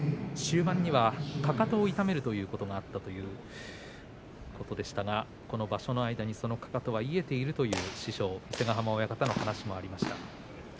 終盤には、かかとを痛めるということがあったということでしたがこの場所の間にそのかかとは癒えているという師匠伊勢ヶ濱親方の話もありました。